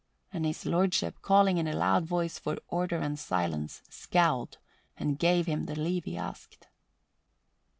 and His Lordship, calling in a loud voice for order and silence, scowled and gave him the leave he asked.